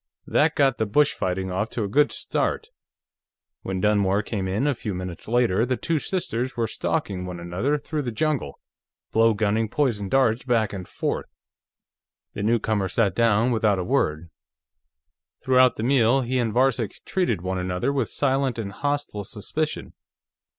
That got the bush fighting off to a good start. When Dunmore came in, a few minutes later, the two sisters were stalking one another through the jungle, blow gunning poison darts back and forth. The newcomer sat down without a word; throughout the meal, he and Varcek treated one another with silent and hostile suspicion.